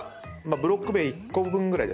ブロック塀１個分ぐらいですかね。